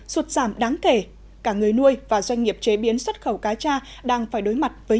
sụt giảm đáng kể cả người nuôi và doanh nghiệp chế biến xuất khẩu cá cha đang phải đối mặt với